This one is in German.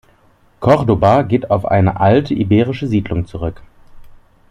Córdoba geht auf eine alte iberische Siedlung zurück.